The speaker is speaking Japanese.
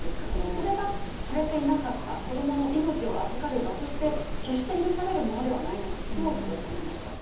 それがされていなかった、子供の命を預かる場として決して許されることではないなと強く思いました。